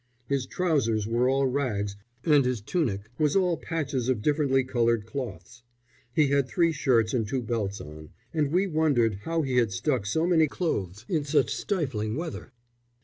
His trousers were all rags, and his tunic was all patches of differently coloured cloths; he had three shirts and two belts on, and we wondered how he had stuck so many clothes in such stifling weather.